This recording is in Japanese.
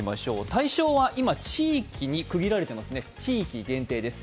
対象は今地域に区切られていますね、地域限定です。